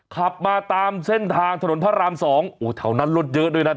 ขับมาตามเส้นทางถนนพระรามสองโอ้แถวนั้นรถเยอะด้วยนะ